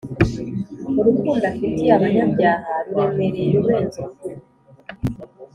urukundo afitiye abanyabyaha ruremereye kurenza urupfu.